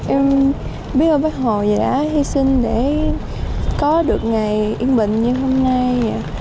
em biết ơn bác hồ đã hy sinh để có được ngày yên bình như hôm nay